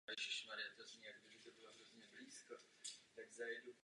Ovládá několik cizích jazyků na různých stupních.